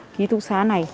ký túc xá này